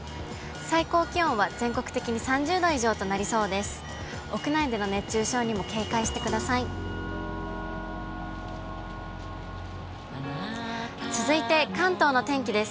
最高気温は全国的に３０度以上となりそうです。